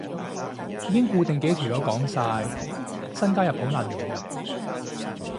已經固定幾條友講晒，新加入好難融入